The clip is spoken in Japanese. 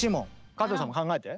加藤さんも考えて。